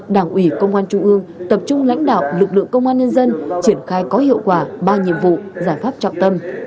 lực lượng công an nhân dân triển khai có hiệu quả ba nhiệm vụ giải pháp trọng tâm